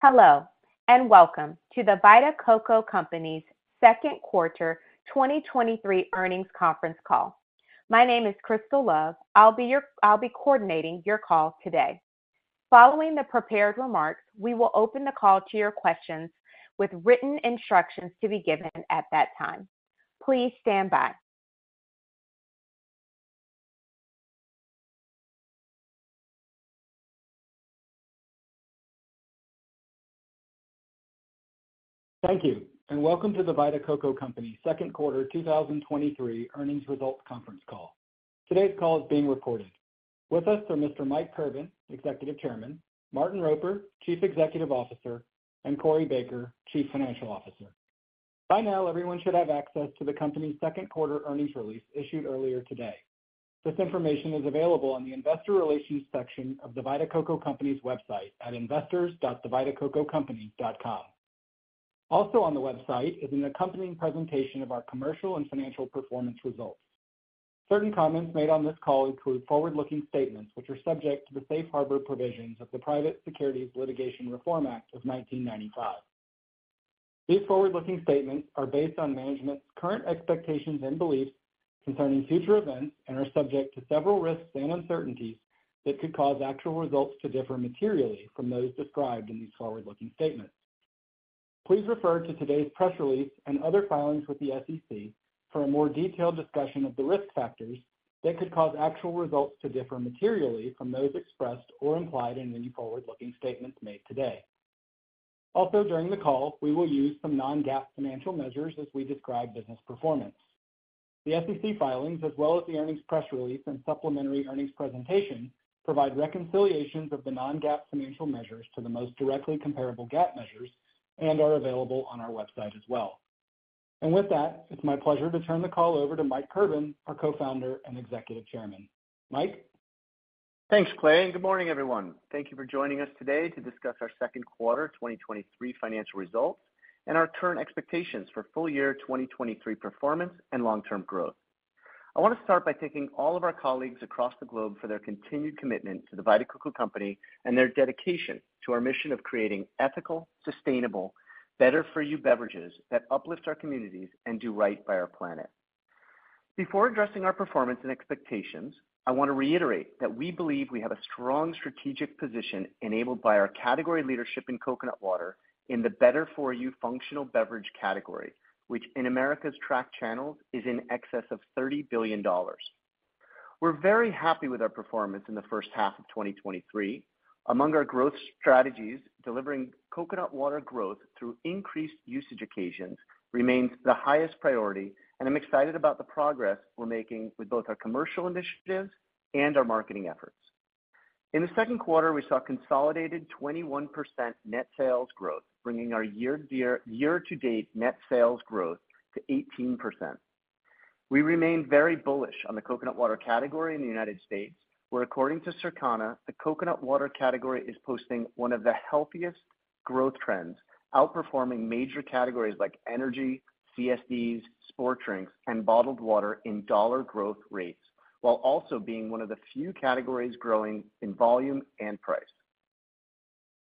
Hello, and welcome to The Vita Coco Company's second quarter 2023 earnings conference call. My name is Crystal Love. I'll be coordinating your call today. Following the prepared remarks, we will open the call to your questions with written instructions to be given at that time. Please stand by. Thank you. Welcome to The Vita Coco Company second quarter 2023 earnings results conference call. Today's call is being recorded. With us are Mr. Michael Kirban, Executive Chairman, Martin Roper, Chief Executive Officer, and Corey Baker, Chief Financial Officer. By now, everyone should have access to the company's second quarter earnings release issued earlier today. This information is available on the investor relations section of The Vita Coco Company's website at investors.thevitacococompany.com. Also on the website is an accompanying presentation of our commercial and financial performance results. Certain comments made on this call include forward-looking statements, which are subject to the safe harbor provisions of the Private Securities Litigation Reform Act of 1995. These forward-looking statements are based on management's current expectations and beliefs concerning future events and are subject to several risks and uncertainties that could cause actual results to differ materially from those described in these forward-looking statements. Please refer to today's press release and other filings with the SEC for a more detailed discussion of the risk factors that could cause actual results to differ materially from those expressed or implied in any forward-looking statements made today. During the call, we will use some non-GAAP financial measures as we describe business performance. The SEC filings, as well as the earnings press release and supplementary earnings presentation, provide reconciliations of the non-GAAP financial measures to the most directly comparable GAAP measures and are available on our website as well. With that, it's my pleasure to turn the call over to Mike Kirban, our co-founder and executive chairman. Mike? Thanks, Clay. Good morning, everyone. Thank you for joining us today to discuss our second quarter 2023 financial results and our current expectations for full year 2023 performance and long-term growth. I want to start by thanking all of our colleagues across the globe for their continued commitment to The Vita Coco Company and their dedication to our mission of creating ethical, sustainable, better for you beverages that uplift our communities and do right by our planet. Before addressing our performance and expectations, I want to reiterate that we believe we have a strong strategic position enabled by our category leadership in coconut water in the better for you functional beverage category, which in America's tracked channels, is in excess of $30 billion. We're very happy with our performance in the first half of 2023. Among our growth strategies, delivering coconut water growth through increased usage occasions remains the highest priority, and I'm excited about the progress we're making with both our commercial initiatives and our marketing efforts. In the second quarter, we saw consolidated 21% net sales growth, bringing our year-to-date net sales growth to 18%. We remain very bullish on the coconut water category in the United States, where, according to Circana, the coconut water category is posting one of the healthiest growth trends, outperforming major categories like energy, CSDs, sport drinks, and bottled water in dollar growth rates, while also being one of the few categories growing in volume and price.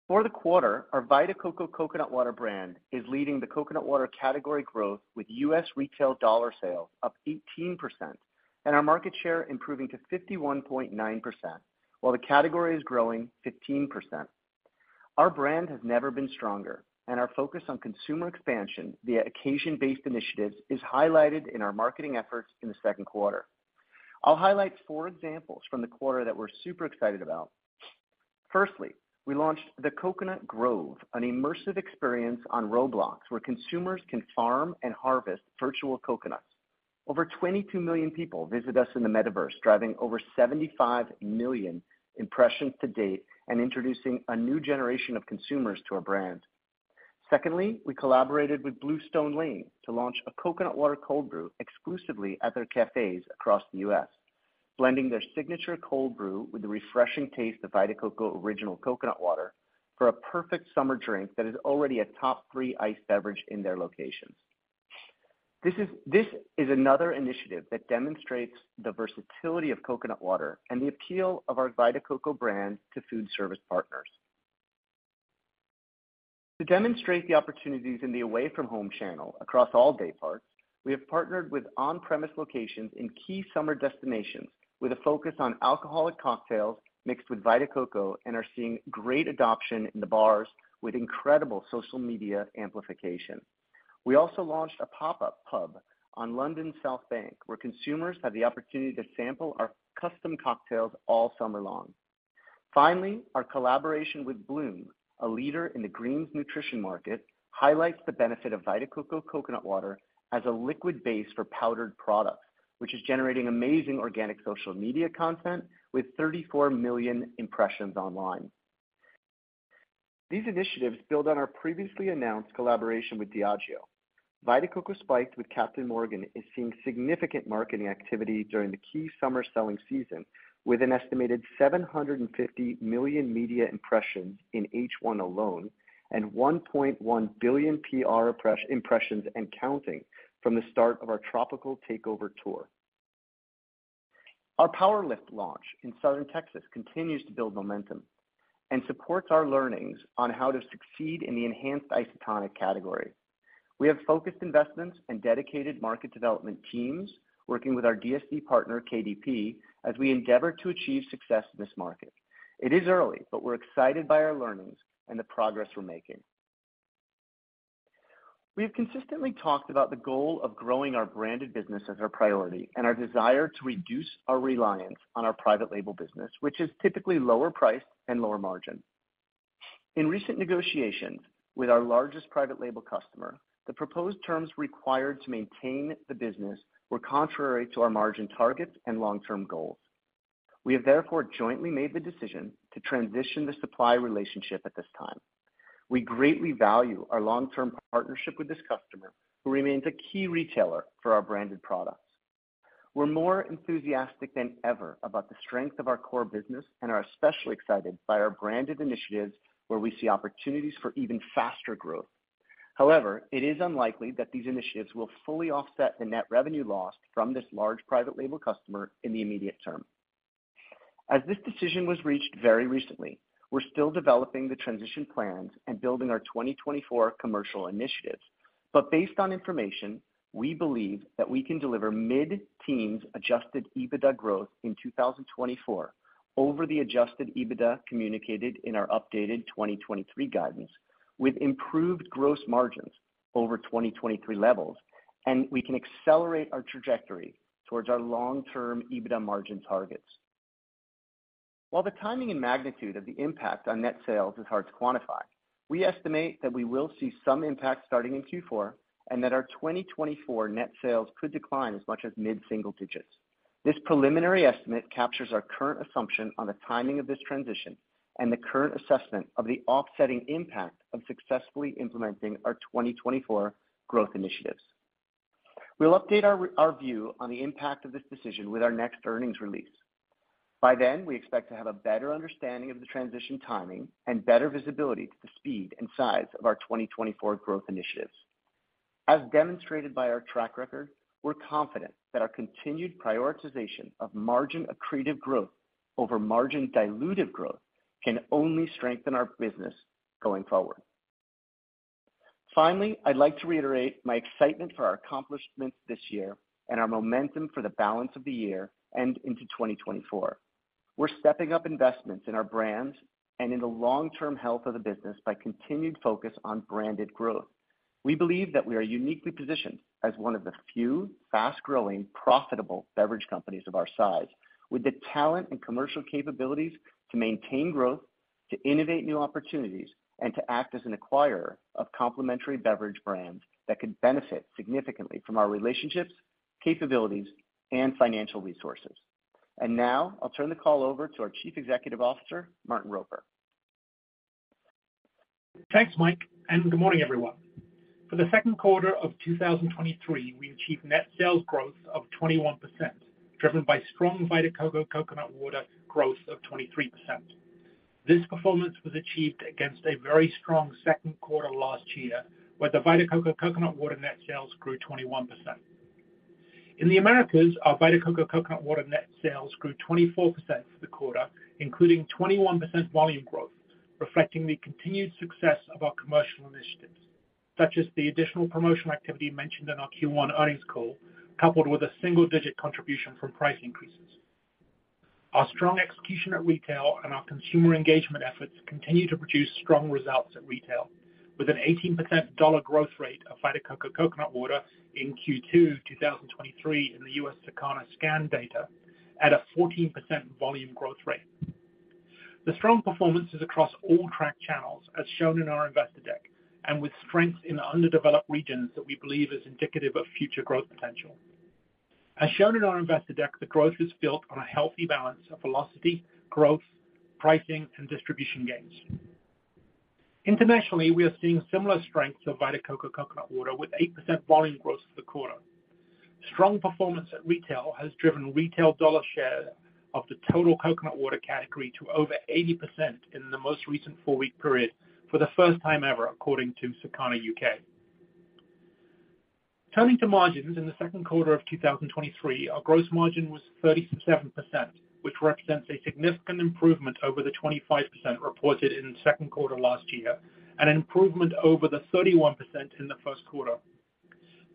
For the quarter, our Vita Coco Coconut Water brand is leading the coconut water category growth, with U.S. retail dollar sales up 18% and our market share improving to 51.9%, while the category is growing 15%. Our brand has never been stronger, our focus on consumer expansion via occasion-based initiatives is highlighted in our marketing efforts in the second quarter. I'll highlight four examples from the quarter that we're super excited about. Firstly, we launched The Coconut Grove, an immersive experience on Roblox, where consumers can farm and harvest virtual coconuts. Over 22 million people visit us in the metaverse, driving over 75 million impressions to date introducing a new generation of consumers to our brand. Secondly, we collaborated with Bluestone Lane to launch a coconut water cold brew exclusively at their cafes across the U.S., blending their signature cold brew with the refreshing taste of Vita Coco original coconut water for a perfect summer drink that is already a top three iced beverage in their locations. This is another initiative that demonstrates the versatility of coconut water and the appeal of our Vita Coco brand to food service partners. To demonstrate the opportunities in the away from home channel across all day parts, we have partnered with on-premise locations in key summer destinations with a focus on alcoholic cocktails mixed with Vita Coco and are seeing great adoption in the bars with incredible social media amplification. We also launched a pop-up pub on London's South Bank, where consumers had the opportunity to sample our custom cocktails all summer long. Finally, our collaboration with Bloom, a leader in the greens nutrition market, highlights the benefit of Vita Coco Coconut Water as a liquid base for powdered products, which is generating amazing organic social media content with 34 million impressions online. These initiatives build on our previously announced collaboration with Diageo. Vita Coco Spiked with Captain Morgan is seeing significant marketing activity during the key summer selling season, with an estimated 750 million media impressions in H1 alone and 1.1 billion PR impressions and counting from the start of our Tropical Takeover Tour. Our PWR LIFT launch in Southern Texas continues to build momentum and supports our learnings on how to succeed in the enhanced isotonic category. We have focused investments and dedicated market development teams working with our DSD partner, KDP, as we endeavor to achieve success in this market. It is early, but we're excited by our learnings and the progress we're making. We have consistently talked about the goal of growing our branded business as our priority and our desire to reduce our reliance on our private label business, which is typically lower priced and lower margin. In recent negotiations with our largest private label customer, the proposed terms required to maintain the business were contrary to our margin targets and long-term goals. We have therefore jointly made the decision to transition the supply relationship at this time. We greatly value our long-term partnership with this customer, who remains a key retailer for our branded products. We're more enthusiastic than ever about the strength of our core business and are especially excited by our branded initiatives, where we see opportunities for even faster growth. However, it is unlikely that these initiatives will fully offset the net revenue lost from this large private label customer in the immediate term. As this decision was reached very recently, we're still developing the transition plans and building our 2024 commercial initiatives. Based on information, we believe that we can deliver mid-teens adjusted EBITDA growth in 2024 over the adjusted EBITDA communicated in our updated 2023 guidance, with improved gross margins over 2023 levels, and we can accelerate our trajectory towards our long-term EBITDA margin targets. While the timing and magnitude of the impact on net sales is hard to quantify, we estimate that we will see some impact starting in Q4, and that our 2024 net sales could decline as much as mid-single digits. This preliminary estimate captures our current assumption on the timing of this transition and the current assessment of the offsetting impact of successfully implementing our 2024 growth initiatives. We'll update our view on the impact of this decision with our next earnings release. By then, we expect to have a better understanding of the transition timing and better visibility to the speed and size of our 2024 growth initiatives. As demonstrated by our track record, we're confident that our continued prioritization of margin accretive growth over margin dilutive growth can only strengthen our business going forward. Finally, I'd like to reiterate my excitement for our accomplishments this year and our momentum for the balance of the year and into 2024. We're stepping up investments in our brands and in the long-term health of the business by continued focus on branded growth. We believe that we are uniquely positioned as one of the few fast-growing, profitable beverage companies of our size, with the talent and commercial capabilities to maintain growth, to innovate new opportunities, and to act as an acquirer of complementary beverage brands that could benefit significantly from our relationships, capabilities, and financial resources. Now, I'll turn the call over to our Chief Executive Officer, Martin Roper. Thanks, Mike. Good morning, everyone. For the second quarter of 2023, we achieved net sales growth of 21%, driven by strong Vita Coco Coconut Water growth of 23%. This performance was achieved against a very strong second quarter last year, where the Vita Coco Coconut Water net sales grew 21%. In the Americas, our Vita Coco Coconut Water net sales grew 24% for the quarter, including 21% volume growth, reflecting the continued success of our commercial initiatives, such as the additional promotional activity mentioned in our Q1 earnings call, coupled with a single-digit contribution from price increases. Our strong execution at retail and our consumer engagement efforts continue to produce strong results at retail, with an 18% dollar growth rate of Vita Coco Coconut Water in Q2 2023 in the U.S. Circana scan data at a 14% volume growth rate. The strong performance is across all track channels, as shown in our investor deck, and with strength in the underdeveloped regions that we believe is indicative of future growth potential. As shown in our investor deck, the growth is built on a healthy balance of velocity, growth, pricing, and distribution gains. Internationally, we are seeing similar strengths of Vita Coco Coconut Water with 8% volume growth for the quarter. Strong performance at retail has driven retail dollar share of the total coconut water category to over 80% in the most recent four-week period for the first time ever, according to Circana U.K. Turning to margins, in the second quarter of 2023, our gross margin was 37%, which represents a significant improvement over the 25% reported in the second quarter last year, and an improvement over the 31% in the first quarter.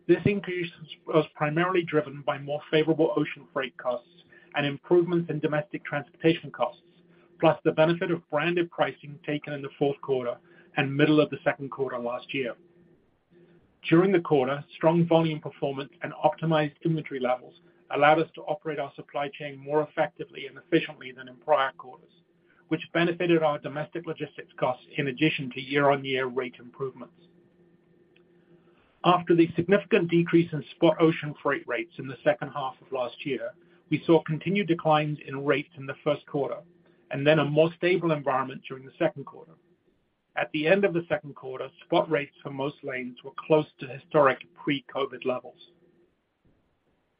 This increase was primarily driven by more favorable ocean freight costs and improvements in domestic transportation costs, plus the benefit of branded pricing taken in the fourth quarter and middle of the second quarter last year. During the quarter, strong volume performance and optimized inventory levels allowed us to operate our supply chain more effectively and efficiently than in prior quarters, which benefited our domestic logistics costs in addition to year-on-year rate improvements. After the significant decrease in spot ocean freight rates in the second half of last year, we saw continued declines in rates in the first quarter, and then a more stable environment during the second quarter. At the end of the second quarter, spot rates for most lanes were close to historic pre-COVID levels.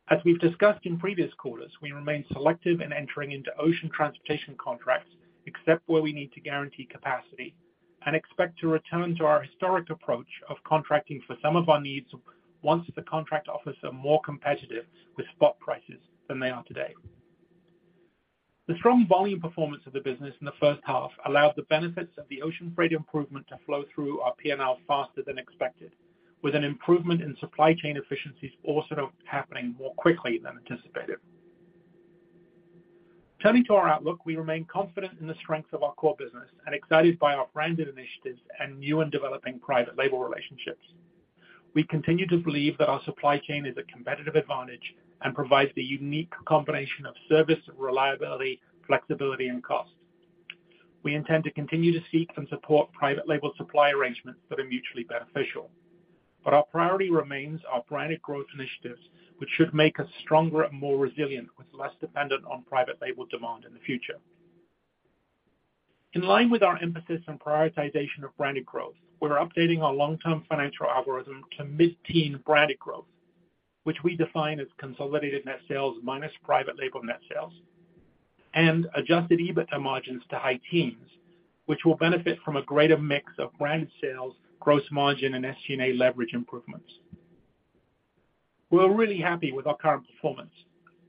As we've discussed in previous quarters, we remain selective in entering into ocean transportation contracts, except where we need to guarantee capacity, and expect to return to our historic approach of contracting for some of our needs once the contract offers are more competitive with spot prices than they are today. The strong volume performance of the business in the first half allowed the benefits of the ocean freight improvement to flow through our PNL faster than expected, with an improvement in supply chain efficiencies also happening more quickly than anticipated. Turning to our outlook, we remain confident in the strength of our core business and excited by our branded initiatives and new and developing private label relationships. We continue to believe that our supply chain is a competitive advantage and provides a unique combination of service, reliability, flexibility, and cost. We intend to continue to seek and support private label supply arrangements that are mutually beneficial, but our priority remains our branded growth initiatives, which should make us stronger and more resilient, with less dependent on private label demand in the future. In line with our emphasis on prioritization of branded growth, we are updating our long-term financial algorithm to mid-teen branded growth, which we define as consolidated net sales minus private label net sales, and adjusted EBITDA margins to high teens, which will benefit from a greater mix of branded sales, gross margin, and SG&A leverage improvements. We're really happy with our current performance.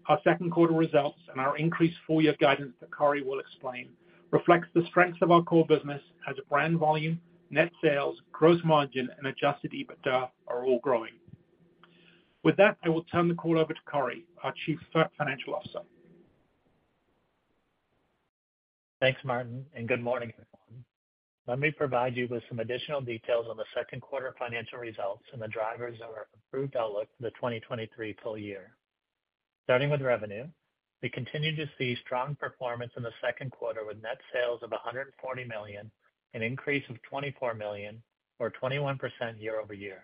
Our second quarter results and our increased full-year guidance that Corey will explain reflects the strengths of our core business as brand volume, net sales, gross margin, and adjusted EBITDA are all growing. With that, I will turn the call over to Corey, our Chief Financial Officer. Thanks, Martin. Good morning, everyone. Let me provide you with some additional details on the second quarter financial results and the drivers of our improved outlook for the 2023 full year. Starting with revenue, we continued to see strong performance in the second quarter, with net sales of $140 million, an increase of $24 million or 21% year-over-year.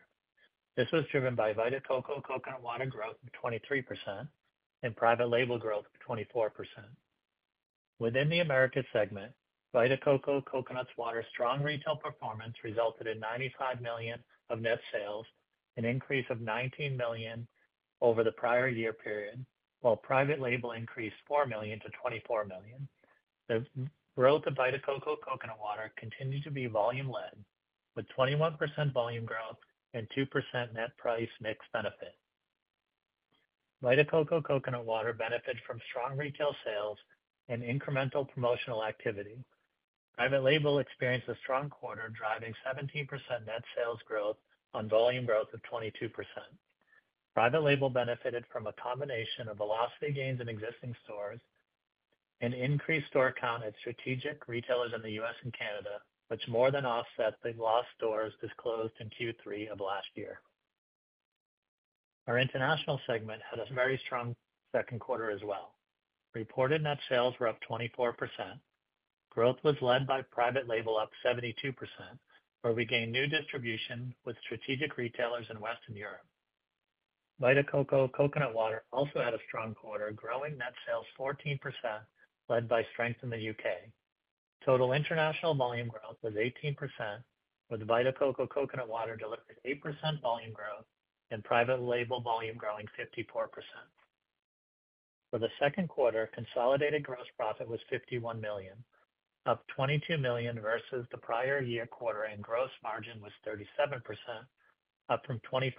This was driven by Vita Coco Coconut Water growth of 23% and private label growth of 24%. Within the Americas segment, Vita Coco Coconuts Water strong retail performance resulted in $95 million of net sales, an increase of $19 million over the prior year period, while private label increased $4 million-$24 million. The growth of Vita Coco Coconut Water continued to be volume led, with 21% volume growth and 2% net price mix benefit. Vita Coco Coconut Water benefited from strong retail sales and incremental promotional activity. Private label experienced a strong quarter, driving 17% net sales growth on volume growth of 22%. Private label benefited from a combination of velocity gains in existing stores and increased store count at strategic retailers in the U.S. and Canada, which more than offset the lost stores disclosed in Q3 of last year. Our international segment had a very strong second quarter as well. Reported net sales were up 24%. Growth was led by private label, up 72%, where we gained new distribution with strategic retailers in Western Europe. Vita Coco Coconut Water also had a strong quarter, growing net sales 14%, led by strength in the U.K. Total international volume growth was 18%, with Vita Coco Coconut Water delivering 8% volume growth and private label volume growing 54%. For the second quarter, consolidated gross profit was $51 million, up $22 million versus the prior-year quarter, and gross margin was 37%, up from 25%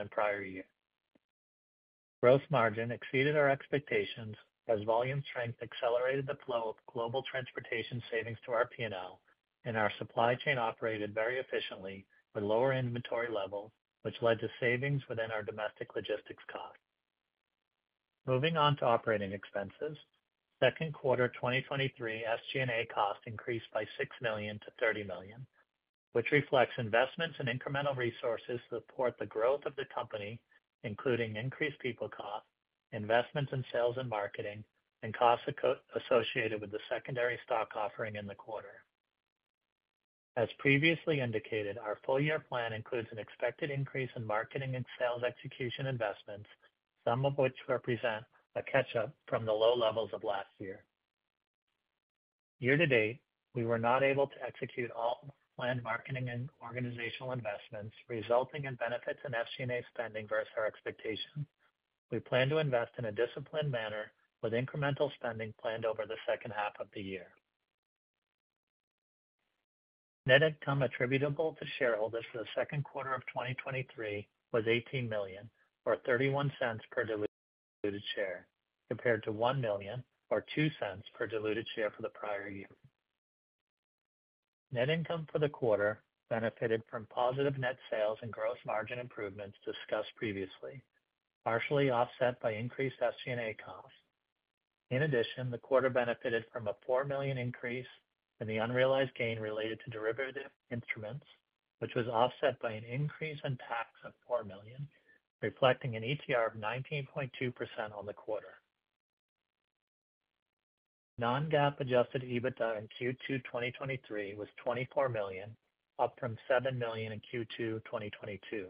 in prior year. Gross margin exceeded our expectations as volume strength accelerated the flow of global transportation savings to our PNL, and our supply chain operated very efficiently with lower inventory levels, which led to savings within our domestic logistics costs. Moving on to operating expenses. Second quarter 2023 SG&A costs increased by $6 million-$30 million, which reflects investments in incremental resources to support the growth of the company, including increased people costs, investments in sales and marketing, and costs associated with the secondary stock offering in the quarter. As previously indicated, our full-year plan includes an expected increase in marketing and sales execution investments, some of which represent a catch-up from the low levels of last year. Year to date, we were not able to execute all planned marketing and organizational investments, resulting in benefits in SG&A spending versus our expectations. We plan to invest in a disciplined manner with incremental spending planned over the second half of the year. Net income attributable to shareholders for the second quarter of 2023 was $18 million, or $0.31 per diluted share, compared to $1 million or $0.02 per diluted share for the prior year. Net income for the quarter benefited from positive net sales and gross margin improvements discussed previously, partially offset by increased SG&A costs. The quarter benefited from a $4 million increase in the unrealized gain related to derivative instruments, which was offset by an increase in tax of $4 million, reflecting an ETR of 19.2% on the quarter. Non-GAAP adjusted EBITDA in Q2 2023 was $24 million, up from $7 million in Q2 2022.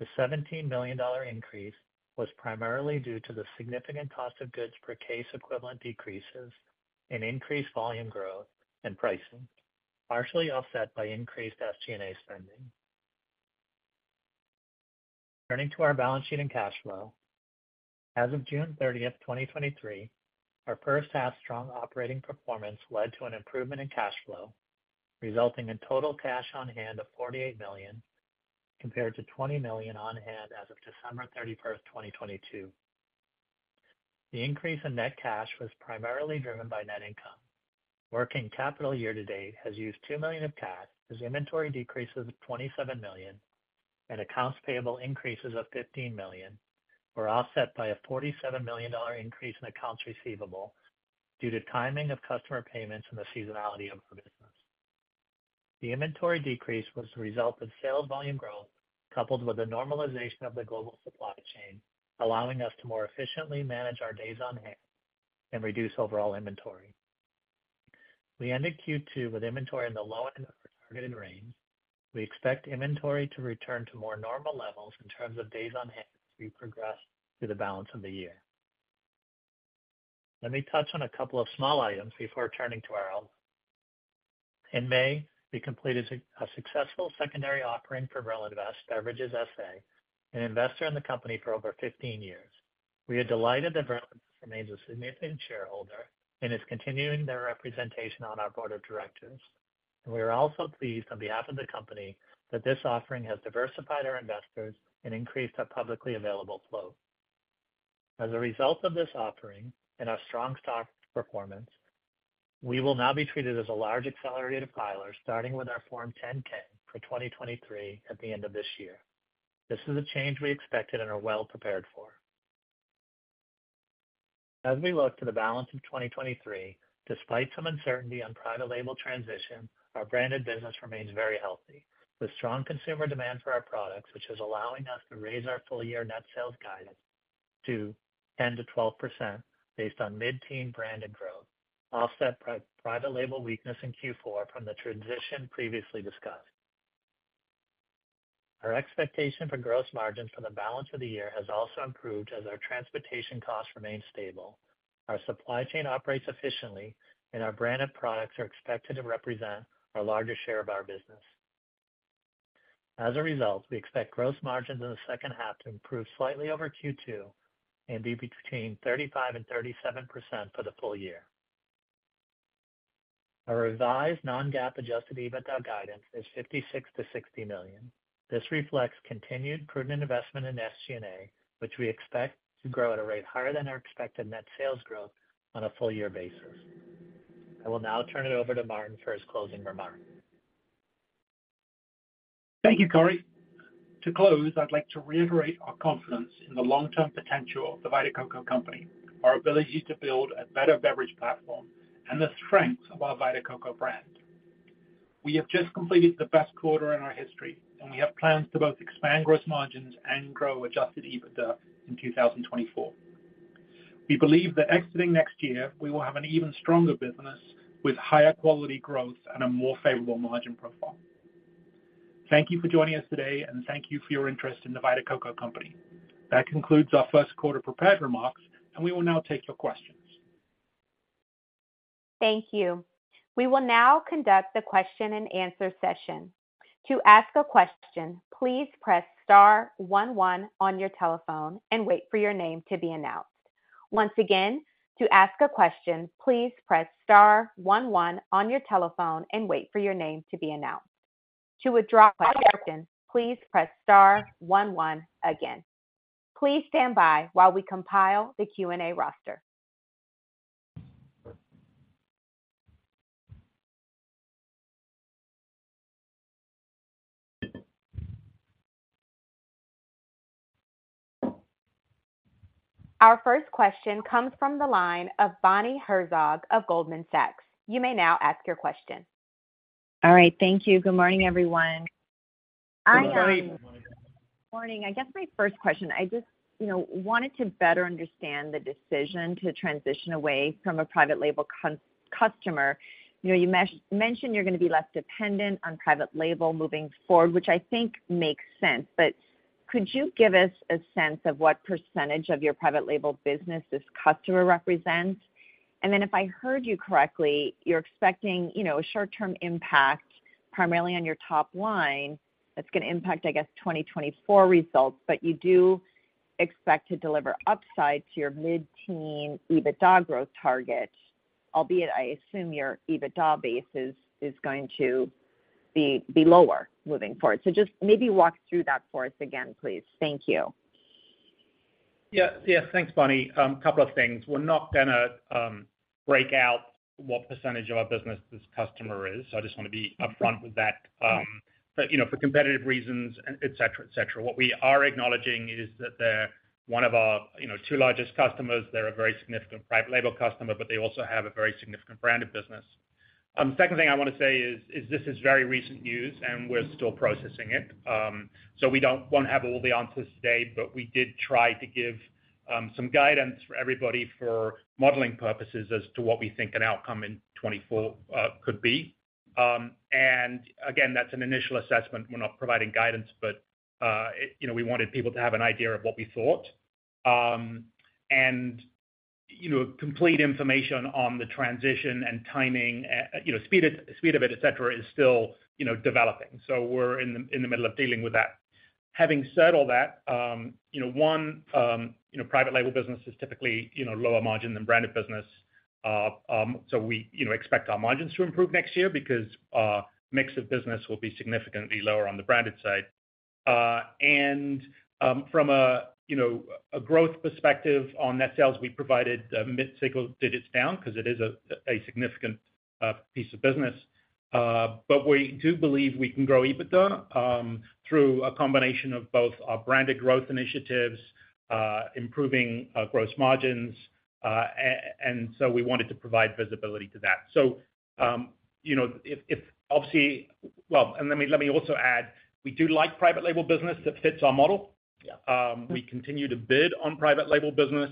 The $17 million increase was primarily due to the significant cost of goods per case equivalent decreases and increased volume growth and pricing, partially offset by increased SG&A spending. Turning to our balance sheet and cash flow. As of June 30th, 2023, our first half strong operating performance led to an improvement in cash flow, resulting in total cash on hand of $48 million, compared to $20 million on hand as of December 31st, 2022. The increase in net cash was primarily driven by net income. Working capital year-to-date has used $2 million of cash, as inventory decreases $27 million and accounts payable increases of $15 million, were offset by a $47 million increase in accounts receivable due to timing of customer payments and the seasonality of our business. The inventory decrease was the result of sales volume growth, coupled with the normalization of the global supply chain, allowing us to more efficiently manage our days on hand and reduce overall inventory. We ended Q2 with inventory in the low end of our targeted range. We expect inventory to return to more normal levels in terms of days on hand as we progress through the balance of the year. Let me touch on a couple of small items before turning to Earl. In May, we completed a successful secondary offering for Verlinvest Beverages S.A., an investor in the company for over 15 years. We are delighted that Verlinvest remains a significant shareholder and is continuing their representation on our board of directors. We are also pleased on behalf of the company that this offering has diversified our investors and increased our publicly available flow. As a result of this offering and our strong stock performance, we will now be treated as a large accelerated filer, starting with our Form 10-K for 2023 at the end of this year. This is a change we expected and are well prepared for. As we look to the balance of 2023, despite some uncertainty on private label transition, our branded business remains very healthy, with strong consumer demand for our products, which is allowing us to raise our full year net sales guidance to 10%-12% based on mid-teen branded growth, offset by private label weakness in Q4 from the transition previously discussed. Our expectation for gross margins for the balance of the year has also improved as our transportation costs remain stable, our supply chain operates efficiently, and our branded products are expected to represent our largest share of our business. As a result, we expect gross margins in the second half to improve slightly over Q2 and be between 35% and 37% for the full year. Our revised non-GAAP adjusted EBITDA guidance is $56 million-$60 million. This reflects continued prudent investment in SG&A, which we expect to grow at a rate higher than our expected net sales growth on a full year basis. I will now turn it over to Martin for his closing remarks. Thank you, Corey. To close, I'd like to reiterate our confidence in the long-term potential of The Vita Coco Company, our ability to build a better beverage platform, and the strengths of our Vita Coco brand. We have just completed the best quarter in our history. We have plans to both expand gross margins and grow adjusted EBITDA in 2024. We believe that exiting next year, we will have an even stronger business with higher quality growth and a more favorable margin profile. Thank you for joining us today. Thank you for your interest in The Vita Coco Company. That concludes our first quarter prepared remarks. We will now take your questions. Thank you. We will now conduct the question and answer session. To ask a question, please press star one one on your telephone and wait for your name to be announced. Once again, to ask a question, please press star one one on your telephone and wait for your name to be announced. To withdraw your question, please press star one one again. Please stand by while we compile the Q&A roster. Our first question comes from the line of Bonnie Herzog of Goldman Sachs. You may now ask your question. All right, thank you. Good morning, everyone. Good morning. Morning. I guess my first question, I just, you know, wanted to better understand the decision to transition away from a private label customer. You know, you mentioned you're gonna be less dependent on private label moving forward, which I think makes sense, but could you give us a sense of what percentage of your private label business this customer represents? Then, if I heard you correctly, you're expecting, you know, a short-term impact primarily on your top line, that's gonna impact, I guess, 2024 results, but you do expect to deliver upside to your mid-teen EBITDA growth target, albeit I assume your EBITDA base is going to be lower moving forward. Just maybe walk through that for us again, please. Thank you. Yeah. Yeah, thanks, Bonnie. Couple of things. We're not gonna break out what percentage of our business this customer is, so I just wanna be upfront with that, but, you know, for competitive reasons, et cetera, et cetera. What we are acknowledging is that they're one of our, you know, two largest customers. They're a very significant private label customer, but they also have a very significant branded business. The second thing I wanna say is, is this is very recent news, and we're still processing it. We don't want to have all the answers today, but we did try to give some guidance for everybody for modeling purposes as to what we think an outcome in 2024 could be. Again, that's an initial assessment, we're not providing guidance, but, you know, we wanted people to have an idea of what we thought. You know, complete information on the transition and timing, you know, speed, speed of it, et cetera, is still, you know, developing. We're in the, in the middle of dealing with that. Having said all that, you know, one, you know, private label business is typically, you know, lower margin than branded business. We, you know, expect our margins to improve next year because mix of business will be significantly lower on the branded side. From a, you know, a growth perspective on net sales, we provided mid-single digits down because it is a, a significant piece of business. We do believe we can grow EBITDA through a combination of both our branded growth initiatives, improving gross margins, and so we wanted to provide visibility to that. You know, let me, let me also add, we do like private label business that fits our model. Yeah, we continue to bid on private label business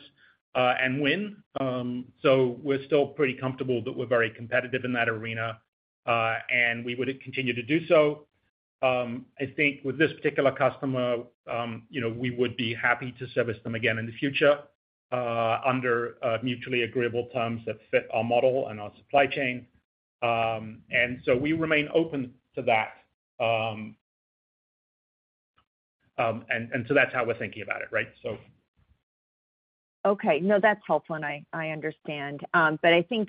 and win. We're still pretty comfortable that we're very competitive in that arena, and we would continue to do so. I think with this particular customer, you know, we would be happy to service them again in the future, under mutually agreeable terms that fit our model and our supply chain. We remain open to that. That's how we're thinking about it, right. Okay. No, that's helpful, and I, I understand. I think,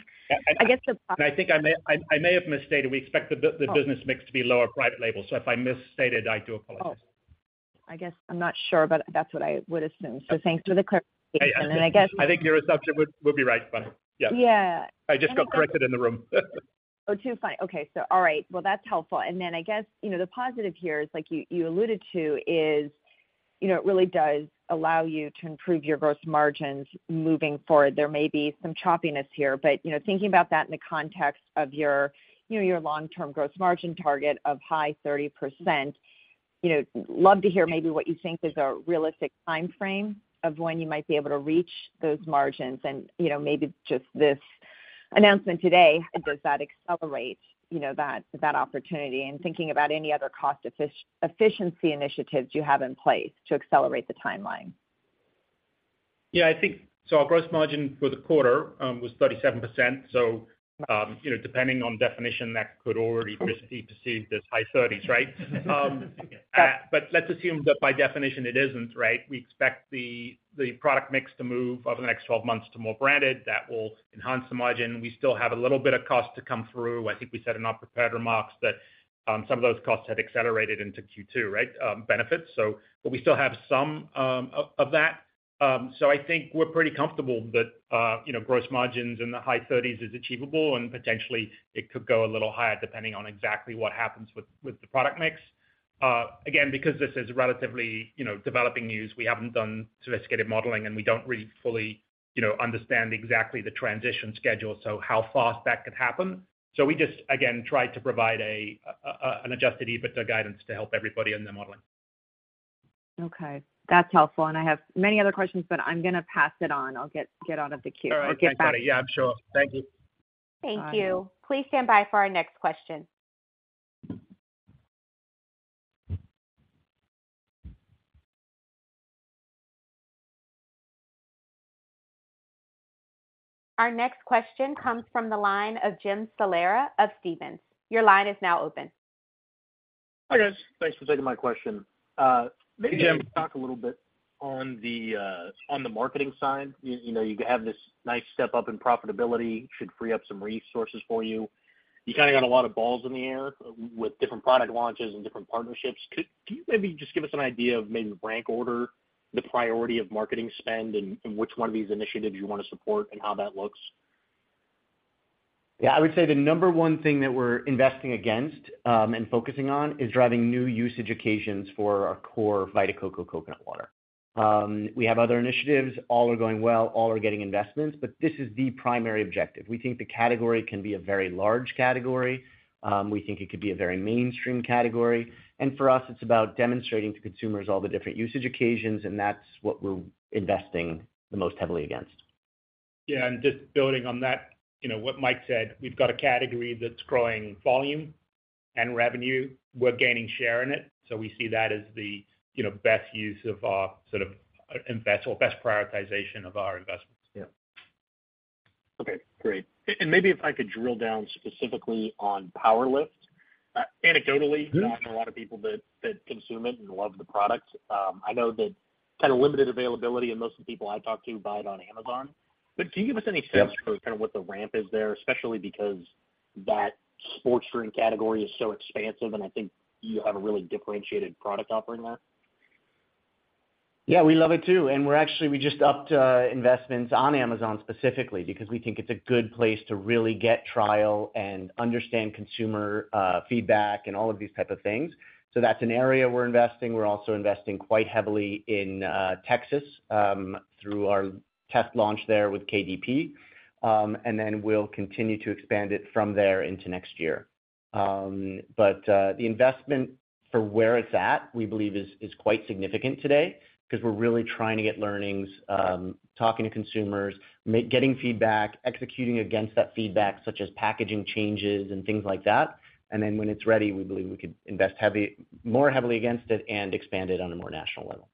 I guess the. I think I may have misstated. We expect the business mix to be lower private label, so if I misstated, I do apologize. I guess I'm not sure, but that's what I would assume. Thanks for the clarification. I guess- I think your assumption would be right, Bonnie. Yeah. Yeah. I just got corrected in the room. Oh, too fine. Okay, so all right, well, that's helpful. Then I guess, you know, the positive here is, like you, you alluded to, is, you know, it really does allow you to improve your gross margins moving forward. There may be some choppiness here, but, you know, thinking about that in the context of your, you know, your long-term gross margin target of high 30%, you know, love to hear maybe what you think is a realistic timeframe of when you might be able to reach those margins. You know, maybe just this announcement today, does that accelerate, you know, that, that opportunity? Thinking about any other cost efficiency initiatives you have in place to accelerate the timeline? Yeah, I think... Our gross margin for the quarter was 37%. You know, depending on definition, that could already be perceived as high 30s, right? Let's assume that by definition, it isn't, right? We expect the product mix to move over the next 12 months to more branded. That will enhance the margin. We still have a little bit of cost to come through. I think we said in our prepared remarks that, some of those costs had accelerated into Q2, right, benefits. We still have some of that. I think we're pretty comfortable that, you know, gross margins in the high 30s is achievable, and potentially it could go a little higher, depending on exactly what happens with the product mix. Again, because this is relatively, you know, developing news, we haven't done sophisticated modeling, and we don't really fully, you know, understand exactly the transition schedule, so how fast that could happen. We just, again, tried to provide an adjusted EBITDA guidance to help everybody in their modeling. Okay, that's helpful. I have many other questions, but I'm gonna pass it on. I'll get out of the queue. All right. I'll get back- Yeah, I'm sure. Thank you. Bye. Thank you. Please stand by for our next question. Our next question comes from the line of Jim Salera of Stephens. Your line is now open. Hi, guys. Thanks for taking my question. Hey, Jim,... talk a little bit on the marketing side. You know, you have this nice step up in profitability, should free up some resources for you. You kind of got a lot of balls in the air with different product launches and different partnerships. Could you maybe just give us an idea of maybe the rank order, the priority of marketing spend, and which one of these initiatives you wanna support and how that looks? Yeah, I would say the number one thing that we're investing against, and focusing on is driving new usage occasions for our core Vita Coco Coconut Water. We have other initiatives. All are going well, all are getting investments, but this is the primary objective. We think the category can be a very large category, we think it could be a very mainstream category, and for us, it's about demonstrating to consumers all the different usage occasions, and that's what we're investing the most heavily against. Yeah, just building on that, you know, what Mike said, we've got a category that's growing volume and revenue. We're gaining share in it, so we see that as the, you know, best use of our sort of invest or best prioritization of our investments. Yeah. Okay, great. Maybe if I could drill down specifically on PWR LIFT. Mm-hmm I know a lot of people that, that consume it and love the product. I know that kind of limited availability, and most of the people I talk to buy it on Amazon. Can you give us any sense- Yeah... for kind of what the ramp is there, especially because that sports drink category is so expansive, and I think you have a really differentiated product offering there? Yeah, we love it too, and we just upped investments on Amazon specifically because we think it's a good place to really get trial and understand consumer feedback and all of these type of things. That's an area we're investing. We're also investing quite heavily in Texas through our test launch there with KDP. Then we'll continue to expand it from there into next year. The investment for where it's at, we believe is, is quite significant today, because we're really trying to get learnings, talking to consumers, getting feedback, executing against that feedback, such as packaging changes and things like that. Then when it's ready, we believe we could invest more heavily against it and expand it on a more national level.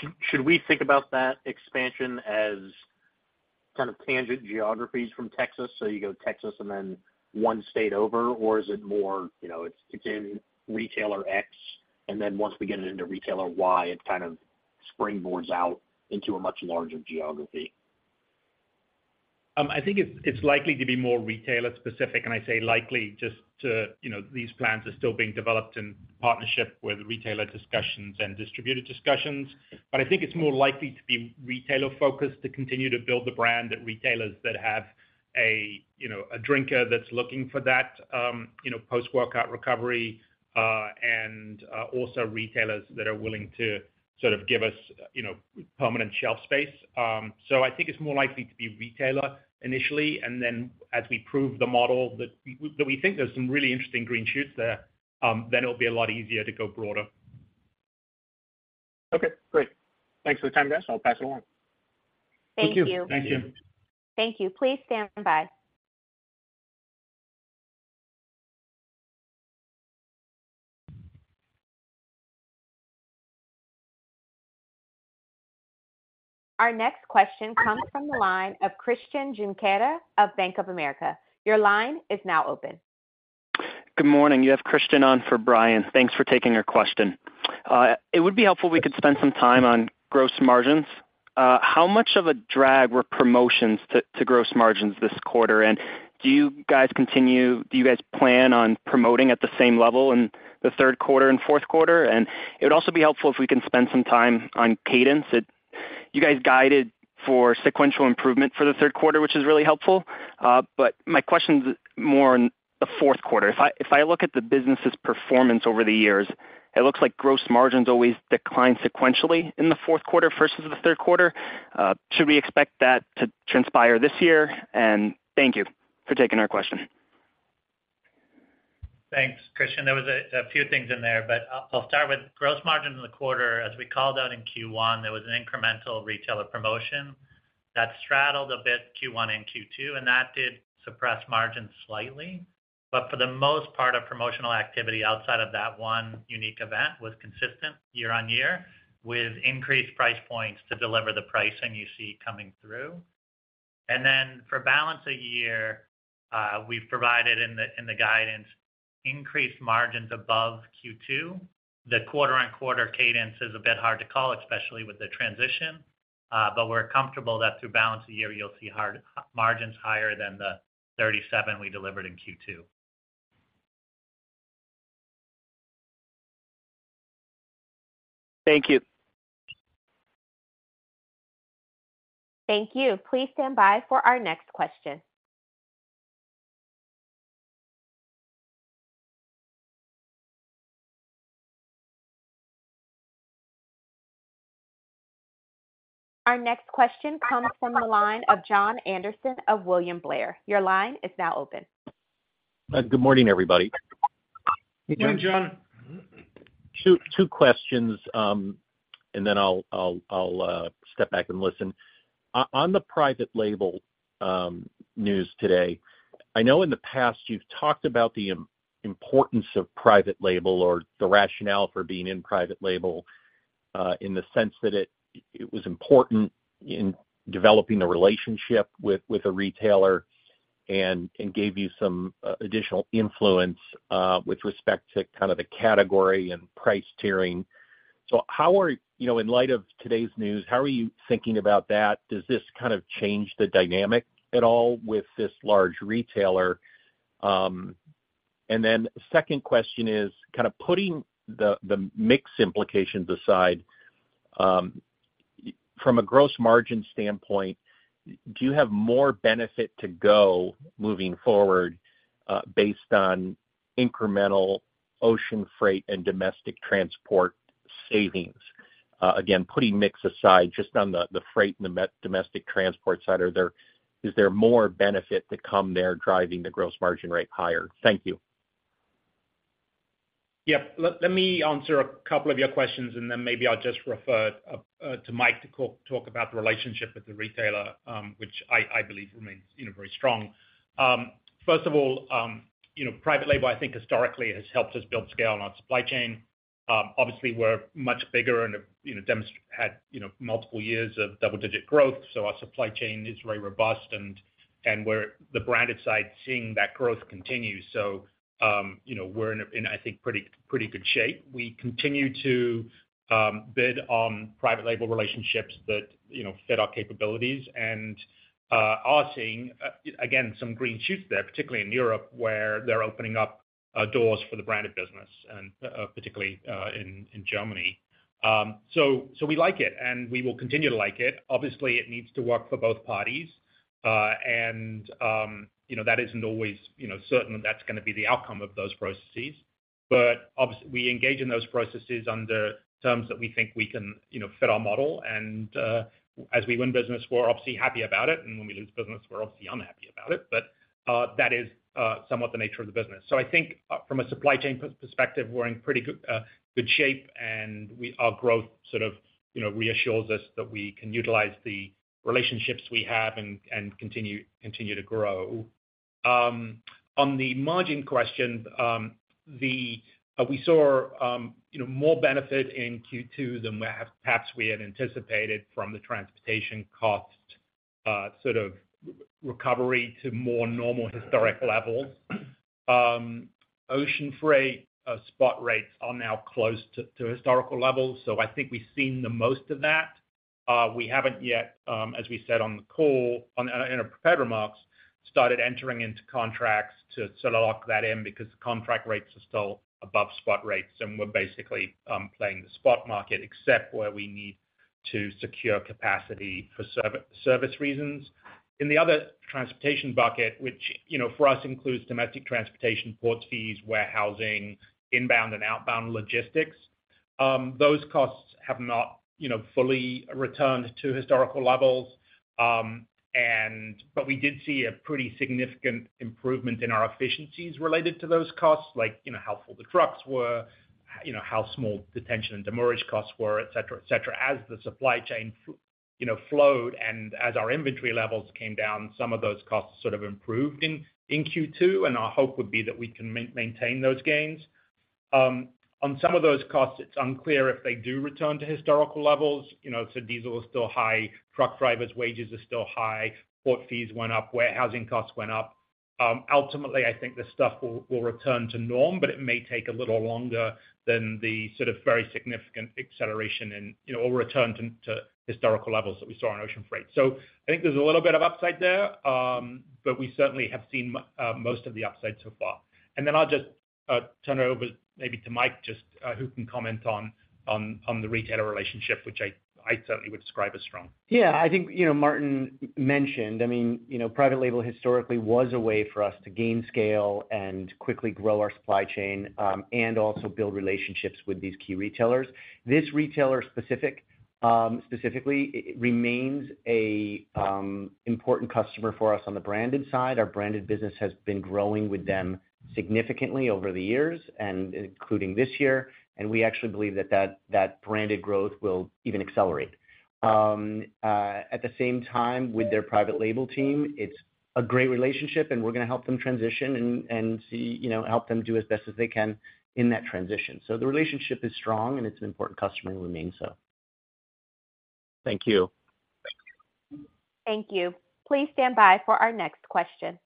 Should, should we think about that expansion as kind of tangent geographies from Texas? You go Texas and then one state over, or is it more, you know, it's, it's in retailer X, and then once we get it into retailer Y, it kind of springboards out into a much larger geography? I think it's, it's likely to be more retailer-specific, and I say likely just to, you know, these plans are still being developed in partnership with retailer discussions and distributor discussions. I think it's more likely to be retailer-focused, to continue to build the brand at retailers that have a, you know, a drinker that's looking for that, you know, post-workout recovery, and, also retailers that are willing to sort of give us, you know, permanent shelf space. I think it's more likely to be retailer initially, and then as we prove the model, that we, we think there's some really interesting green shoots there, then it'll be a lot easier to go broader. Okay, great. Thanks for the time, guys. I'll pass it along. Thank you. Thank you. Thank you. Please stand by. Our next question comes from the line of Christian Junqueira of Bank of America. Your line is now open. Good morning. You have Christian on for Brian. Thanks for taking our question. It would be helpful if we could spend some time on gross margins. How much of a drag were promotions to gross margins this quarter? Do you guys plan on promoting at the same level in the third quarter and fourth quarter? It would also be helpful if we can spend some time on cadence. You guys guided for sequential improvement for the third quarter, which is really helpful, but my question is more on the fourth quarter. If I, if I look at the business's performance over the years, it looks like gross margins always decline sequentially in the fourth quarter versus the third quarter. Should we expect that to transpire this year? Thank you for taking our question. Thanks, Christian. There was a few things in there, but I'll start with gross margin in the quarter. As we called out in Q1, there was an incremental retailer promotion that straddled a bit Q1 and Q2, and that did suppress margins slightly. For the most part, our promotional activity outside of that one unique event was consistent year-on-year, with increased price points to deliver the pricing you see coming through. Then for balance of the year, we've provided in the guidance, increased margins above Q2. The quarter-on-quarter cadence is a bit hard to call, especially with the transition, but we're comfortable that through balance of the year, you'll see margins higher than the 37 we delivered in Q2. Thank you. Thank you. Please stand by for our next question. Our next question comes from the line of Jon Andersen of William Blair. Your line is now open. Good morning, everybody. Good morning, Jon. Two, two questions, then I'll, I'll, I'll step back and listen. On the private label news today, I know in the past you've talked about the importance of private label or the rationale for being in private label, in the sense that it, it was important in developing the relationship with, with a retailer and, and gave you some additional influence with respect to kind of the category and price tiering. You know, in light of today's news, how are you thinking about that? Does this kind of change the dynamic at all with this large retailer? Then second question is, kind of putting the, the mix implications aside, from a gross margin standpoint, do you have more benefit to go moving forward, based on incremental ocean freight and domestic transport savings? Again, putting mix aside, just on the freight and the domestic transport side, is there more benefit to come there driving the gross margin rate higher? Thank you. Yeah. Let me answer a couple of your questions, and then maybe I'll just refer to Mike to talk, talk about the relationship with the retailer, which I believe remains, you know, very strong. First of all, you know, private label, I think historically, has helped us build scale in our supply chain. Obviously, we're much bigger and have, you know, had, you know, multiple years of double-digit growth, so our supply chain is very robust, and we're, the branded side, seeing that growth continue. You know, we're in, I think, pretty good shape. We continue to bid on private label relationships that, you know, fit our capabilities and are seeing again, some green shoots there, particularly in Europe, where they're opening up doors for the branded business and particularly in Germany. So we like it, and we will continue to like it. Obviously, it needs to work for both parties. You know, that isn't always, you know, certain that's gonna be the outcome of those processes. Obviously, we engage in those processes under terms that we think we can, you know, fit our model, and as we win business, we're obviously happy about it, and when we lose business, we're obviously unhappy about it, but that is somewhat the nature of the business. I think, from a supply chain perspective, we're in pretty good, good shape, and our growth sort of, you know, reassures us that we can utilize the relationships we have and, and continue, continue to grow. On the margin question, the, we saw, you know, more benefit in Q2 than we have perhaps we had anticipated from the transportation cost, sort of recovery to more normal historic levels. Ocean freight, spot rates are now close to, to historical levels, so I think we've seen the most of that. We haven't yet, as we said on the call, on, in our prepared remarks, started entering into contracts to sort of lock that in because the contract rates are still above spot rates, and we're basically, playing the spot market except where we need to secure capacity for service reasons. In the other transportation bucket, which, you know, for us, includes domestic transportation, port fees, warehousing, inbound and outbound logistics, those costs have not, you know, fully returned to historical levels. We did see a pretty significant improvement in our efficiencies related to those costs, like, you know, how full the trucks were, you know, how small detention and demurrage costs were, et cetera, et cetera. As the supply chain you know, flowed and as our inventory levels came down, some of those costs sort of improved in, in Q2, and our hope would be that we can maintain those gains. On some of those costs, it's unclear if they do return to historical levels. You know, diesel is still high, truck drivers' wages are still high, port fees went up, warehousing costs went up. Ultimately, I think this stuff will, will return to norm, but it may take a little longer than the sort of very significant acceleration in, you know, or return to, to historical levels that we saw in ocean freight. I think there's a little bit of upside there, but we certainly have seen most of the upside so far. Then I'll just turn it over maybe to Mike, just who can comment on, on, on the retailer relationship, which I, I certainly would describe as strong. Yeah, I think, you know, Martin mentioned, I mean, you know, private label historically was a way for us to gain scale and quickly grow our supply chain, and also build relationships with these key retailers. This retailer specific, specifically, it remains a important customer for us on the branded side. Our branded business has been growing with them significantly over the years and including this year. We actually believe that, that, that branded growth will even accelerate. At the same time, with their private label team, it's a great relationship. We're gonna help them transition and see. You know, help them do as best as they can in that transition. The relationship is strong, and it's an important customer and remains so. Thank you. Thank you. Please stand by for our next question.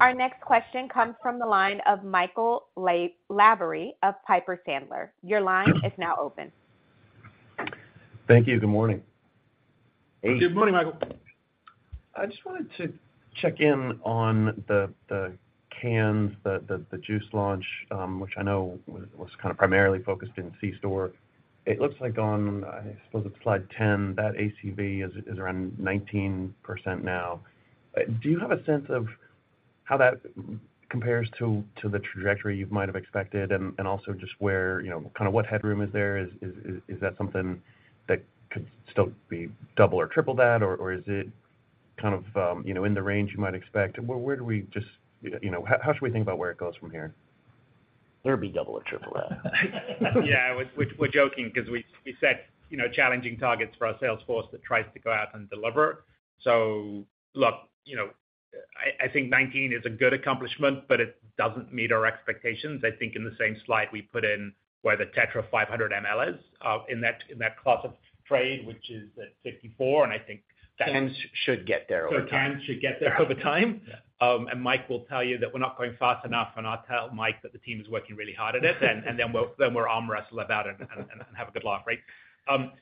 Our next question comes from the line of Michael Lavery of Piper Sandler. Your line is now open. Thank you, good morning. Good morning, Michael. I just wanted to check in on the cans, the juice launch, which I know was kind of primarily focused in C-store. It looks like on, I suppose it's slide 10, that ACV is around 19% now. Do you have a sense of how that compares to the trajectory you might have expected? Also just where, you know, kind of what headroom is there? Is that something that could still be double or triple that, or is it kind of, you know, in the range you might expect? Where do we just, you know. How should we think about where it goes from here? There'll be double or triple that. Yeah, we're, we're joking 'cause we, we set, you know, challenging targets for our sales force that tries to go out and deliver. Look, you know, I, I think 19 is a good accomplishment, but it doesn't meet our expectations. I think in the same slide we put in where the Tetra 500 ML is in that, in that class of trade, which is at 54, and I think that. Cans should get there over time. Cans should get there over time. Yeah. Mike will tell you that we're not going fast enough, and I'll tell Mike that the team is working really hard at it. Then we'll arm wrestle about it and have a good laugh, right?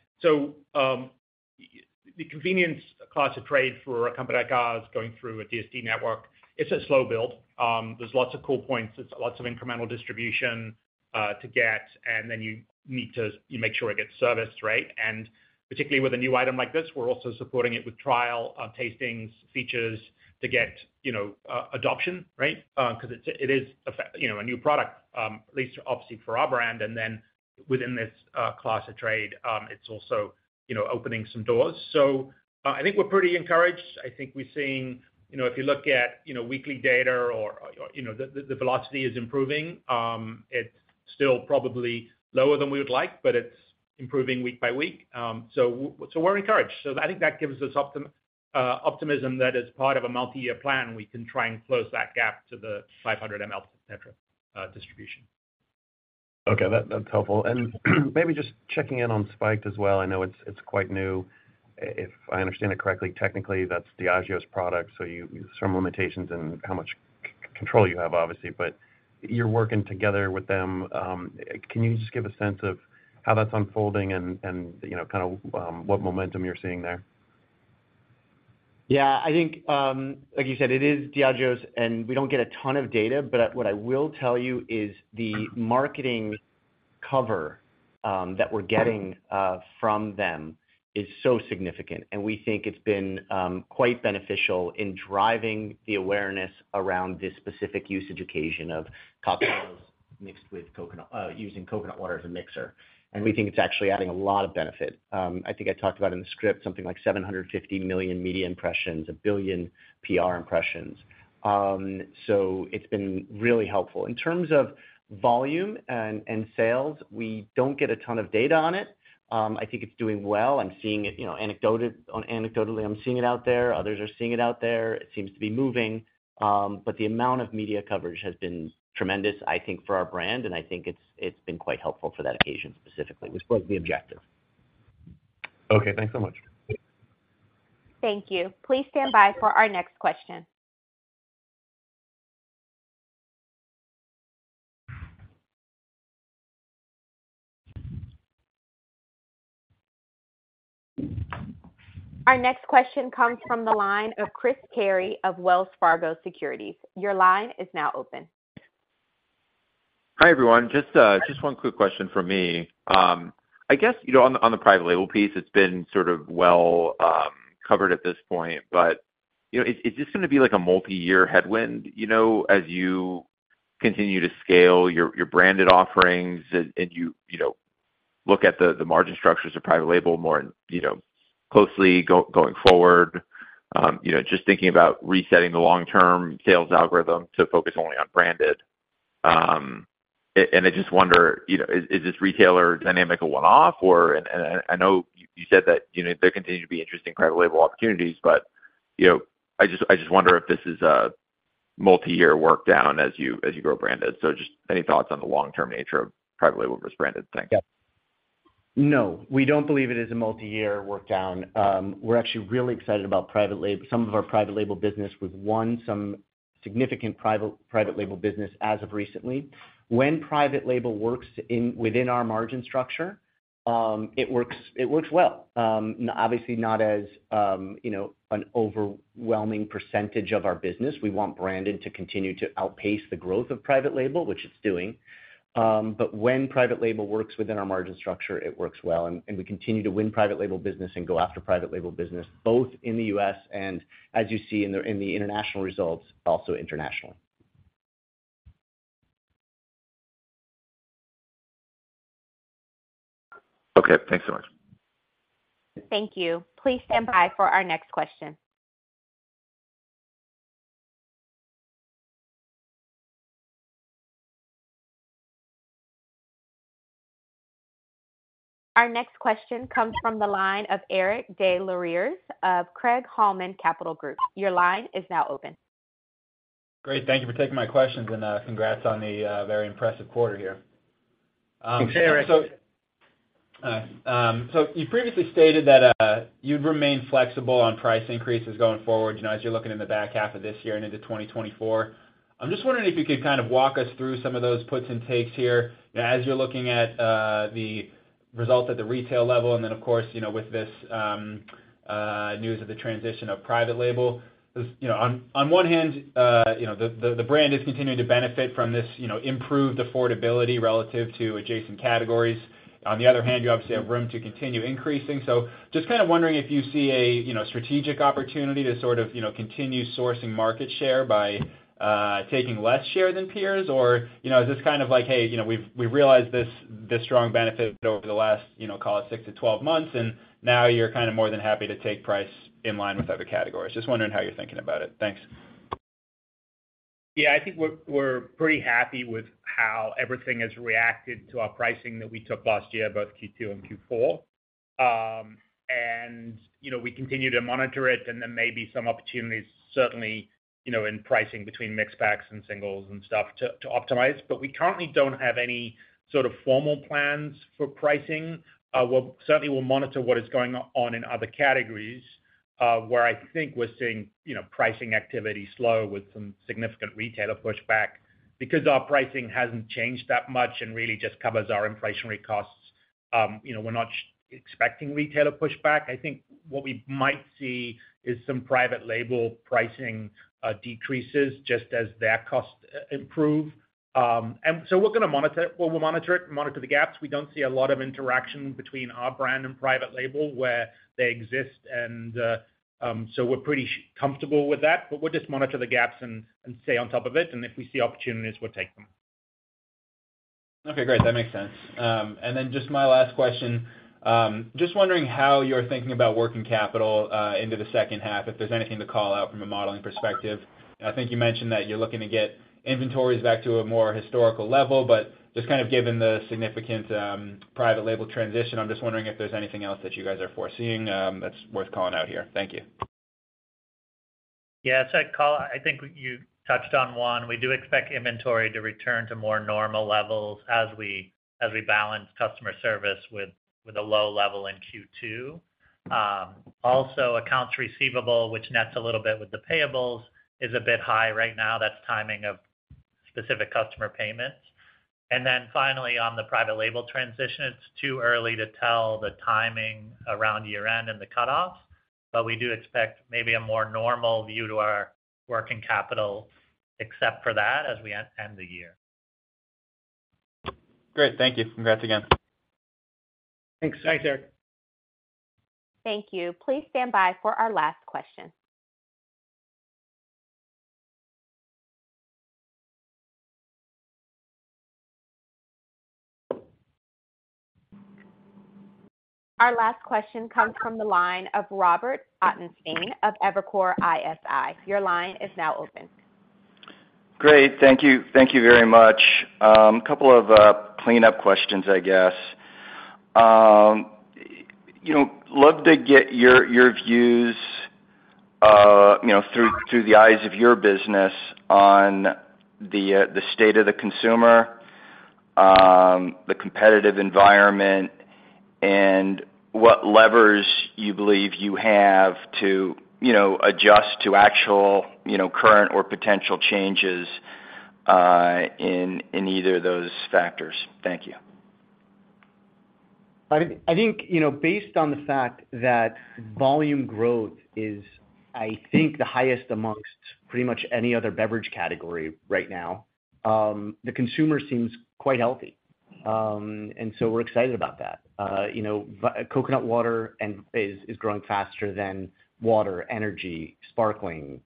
The convenience class of trade for a company like us going through a DSD network, it's a slow build. There's lots of cool points, there's lots of incremental distribution to get, and then you make sure it gets serviced, right? Particularly with a new item like this, we're also supporting it with trial, tastings, features to get, you know, adoption, right? 'Cause it's, it is a, you know, a new product, at least obviously, for our brand. Within this, class of trade, it's also, you know, opening some doors. I think we're pretty encouraged. I think we're seeing, you know, if you look at, you know, weekly data or, or, you know, the, the velocity is improving. It's still probably lower than we would like, but it's improving week by week. So we're encouraged. So I think that gives us optimism that as part of a multi-year plan, we can try and close that gap to the 500 mL Tetra distribution. Okay, that, that's helpful. Maybe just checking in on Spiked as well. I know it's, it's quite new. If I understand it correctly, technically, that's Diageo's product, so you have some limitations in how much control you have, obviously, but you're working together with them. Can you just give a sense of how that's unfolding and, and you know, kind of, what momentum you're seeing there? Yeah, I think, like you said, it is Diageo's. We don't get a ton of data, but what I will tell you is the marketing cover that we're getting from them is so significant, and we think it's been quite beneficial in driving the awareness around this specific usage occasion of cocktails mixed with coconut, using coconut water as a mixer, and we think it's actually adding a lot of benefit. I think I talked about in the script something like 750 million media impressions, 1 billion PR impressions. It's been really helpful. In terms of volume and sales, we don't get a ton of data on it. I think it's doing well. I'm seeing it, you know, anecdotally, I'm seeing it out there, others are seeing it out there. It seems to be moving. The amount of media coverage has been tremendous, I think, for our brand, and I think it's, it's been quite helpful for that occasion, specifically. We support the objective. Okay, thanks so much. Thank you. Please stand by for our next question. Our next question comes from the line of Chris Carey of Wells Fargo Securities. Your line is now open. Hi, everyone. Just one quick question from me. I guess, you know, on the, on the private label piece, it's been sort of well, covered at this point, but, you know, is this gonna be like a multi-year headwind, you know, as you continue to scale your, your branded offerings and, you, you know, look at the, the margin structures of private label more, you know, closely going forward? You know, just thinking about resetting the long-term sales algorithm to focus only on branded. I just wonder, you know, is this retailer dynamic a one-off or I know you said that, you know, there continue to be interesting private label opportunities, but, you know, I just, I just wonder if this is a multi-year workdown as you, as you grow branded. Just any thoughts on the long-term nature of private label versus branded? Thanks. Yeah. No, we don't believe it is a multi-year workdown. We're actually really excited about private label. Some of our private label business, we've won some significant private, private label business as of recently. When private label works in, within our margin structure, it works, it works well. obviously not as, you know, an overwhelming percentage of our business. We want branded to continue to outpace the growth of private label, which it's doing. When private label works within our margin structure, it works well, and, and we continue to win private label business and go after private label business, both in the U.S. and as you see in the, in the international results, also international. Okay, thanks so much. Thank you. Please stand by for our next question. Our next question comes from the line of Eric Des Lauriers of Craig-Hallum Capital Group. Your line is now open. Great, thank you for taking my questions, and congrats on the very impressive quarter here. Thanks, Eric. You previously stated that you'd remain flexible on price increases going forward, you know, as you're looking in the back half of this year and into 2024. I'm just wondering if you could kind of walk us through some of those puts and takes here, you know, as you're looking at the results at the retail level, and then of course, you know, with this news of the transition of private label. You know, on, on one hand, you know, the, the brand is continuing to benefit from this, you know, improved affordability relative to adjacent categories. On the other hand, you obviously have room to continue increasing. Just kind of wondering if you see a, you know, strategic opportunity to sort of, you know, continue sourcing market share by taking less share than peers? You know, is this kind of like, hey, you know, we've, we realized this, the strong benefit over the last, you know, call it six-12 months, and now you're kind of more than happy to take price in line with other categories? Just wondering how you're thinking about it. Thanks. Yeah, I think we're, we're pretty happy with how everything has reacted to our pricing that we took last year, both Q2 and Q4. You know, we continue to monitor it, and there may be some opportunities certainly, you know, in pricing between mixed packs and singles and stuff to, to optimize. We currently don't have any sort of formal plans for pricing. We'll certainly, we'll monitor what is going on in other categories, where I think we're seeing, you know, pricing activity slow with some significant retailer pushback. Our pricing hasn't changed that much and really just covers our inflationary costs, you know, we're not expecting retailer pushback. I think what we might see is some private label pricing, decreases just as their costs improve. We're gonna monitor it. Well, we'll monitor it and monitor the gaps. We don't see a lot of interaction between our brand and private label where they exist, and, so we're pretty comfortable with that. We'll just monitor the gaps and, and stay on top of it, and if we see opportunities, we'll take them. Okay, great. That makes sense. Just my last question, just wondering how you're thinking about working capital, into the second half, if there's anything to call out from a modeling perspective. I think you mentioned that you're looking to get inventories back to a more historical level, just kind of given the significant, private label transition, I'm just wondering if there's anything else that you guys are foreseeing, that's worth calling out here. Thank you. Yeah, it's Ed Kolh. I think you touched on one. We do expect inventory to return to more normal levels as we, as we balance customer service with, with a low level in Q2. Also, accounts receivable, which nets a little bit with the payables, is a bit high right now. That's timing of specific customer payments. Finally, on the private label transition, it's too early to tell the timing around year-end and the cutoffs, but we do expect maybe a more normal view to our working capital, except for that, as we end, end the year. Great. Thank you. Congrats again. Thanks. Thanks, Eric. Thank you. Please stand by for our last question. Our last question comes from the line of Robert Ottenstein of Evercore ISI. Your line is now open. Great, thank you. Thank you very much. couple of cleanup questions, I guess. you know, love to get your, your views, you know, through, through the eyes of your business on the state of the consumer, the competitive environment, and what levers you believe you have to, you know, adjust to actual, you know, current or potential changes in either of those factors. Thank you. I think, I think, you know, based on the fact that volume growth is, I think, the highest amongst pretty much any other beverage category right now, the consumer seems quite healthy. We're excited about that. You know, coconut water and, is, is growing faster than water, energy, sparkling,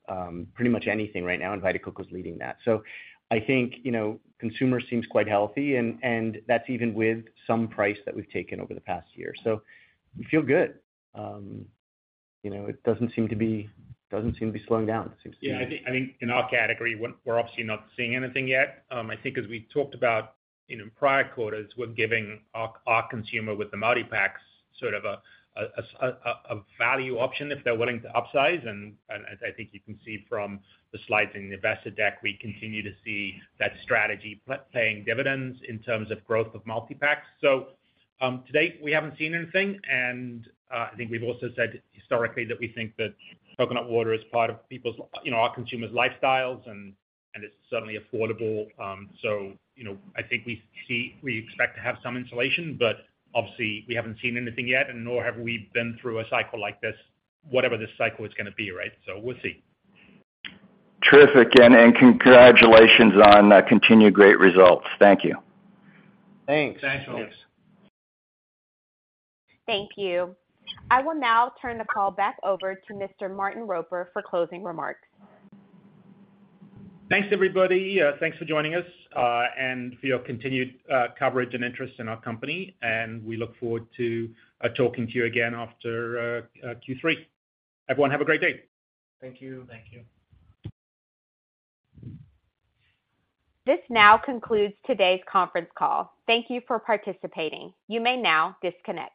pretty much anything right now, and Vita Coco is leading that. I think, you know, consumer seems quite healthy and, and that's even with some price that we've taken over the past year. We feel good. You know, it doesn't seem to be, doesn't seem to be slowing down. It seems to be- Yeah, I think, I think in our category, we're, we're obviously not seeing anything yet. I think as we talked about in prior quarters, we're giving our consumer with the multipacks sort of a value option if they're willing to upsize. As I think you can see from the slides in the investor deck, we continue to see that strategy paying dividends in terms of growth of multipacks. To date, we haven't seen anything. I think we've also said historically that we think that coconut water is part of people's, you know, our consumers' lifestyles and it's certainly affordable. You know, I think we see... We expect to have some insulation, but obviously we haven't seen anything yet, and nor have we been through a cycle like this, whatever the cycle is gonna be, right? We'll see. Terrific. Congratulations on continued great results. Thank you. Thanks. Thanks. Thank you. I will now turn the call back over to Mr. Martin Roper for closing remarks. Thanks, everybody. Thanks for joining us, and for your continued coverage and interest in our company, and we look forward to talking to you again after Q3. Everyone, have a great day. Thank you. Thank you. This now concludes today's conference call. Thank you for participating. You may now disconnect.